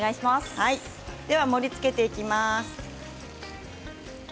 盛りつけていきます。